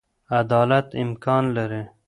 عدالت امکان لري.